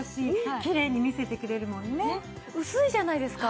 薄いじゃないですか。